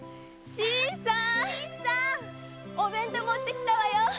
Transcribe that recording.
新さんお弁当持ってきたわよ。